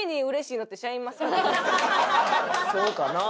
そうかな？